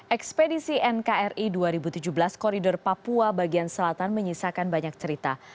ekspedisi nkri dua ribu tujuh belas koridor papua bagian selatan menyisakan banyak cerita